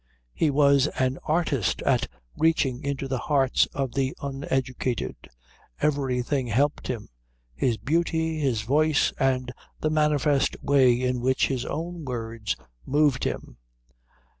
He was an artist at reaching into the hearts of the uneducated. Everything helped him his beauty, his voice, and the manifest way in which his own words moved him.